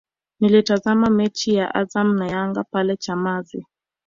Nilitazama mechi ya Azam na Yanga pale Chamazi